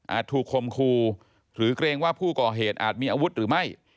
ถูกคมคูหรือเกรงว่าผู้ก่อเหตุอาจมีอาวุธหรือไม่